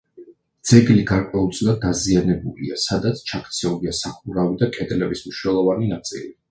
ძეგლი გარკვეულწილად დაზიანებულია, სადაც ჩაქცეულია სახურავი და კედლების მნიშვნელოვანი ნაწილი.